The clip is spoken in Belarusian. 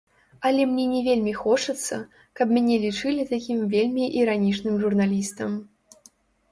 Але мне не вельмі хочацца, каб мяне лічылі такім вельмі іранічным журналістам.